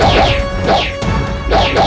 aku akan lakukan